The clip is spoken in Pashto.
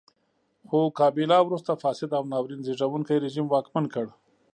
خو کابیلا وروسته فاسد او ناورین زېږوونکی رژیم واکمن کړ.